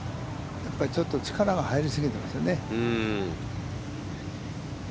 ちょっと力が入りすぎてますよね。